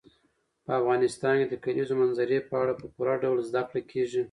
په افغانستان کې د کلیزو منظره په اړه په پوره ډول زده کړه کېږي.